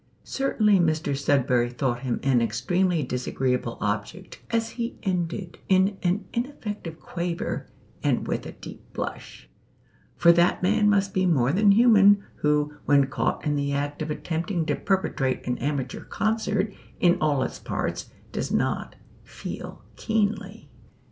Certainly Mr Sudberry thought him an extremely disagreeable object as he ended in an ineffective quaver and with a deep blush; for that man must be more than human, who, when caught in the act of attempting to perpetrate an amateur concert in all its parts, does not feel keenly.